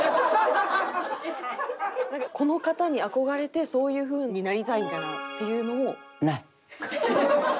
この方に憧れてそういうふうになりたいみたいなっていうのも？